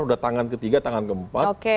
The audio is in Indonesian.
udah tangan ketiga tangan keempat